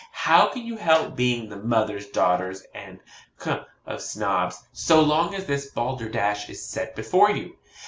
How can you help being the mothers, daughters, &c. of Snobs, so long as this balderdash is set before you?